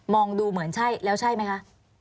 ดูเหมือนใช่แล้วใช่ไหมคะ